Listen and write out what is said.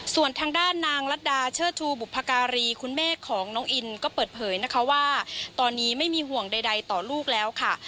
ส่วนทางด้านนางรัฐดาเชิดชูบุพการีคุณแม่ของน้องอินก็เปิดเผยนะคะว่าตอนนี้ไม่มีห่วงใดต่อลูกแล้วค่ะ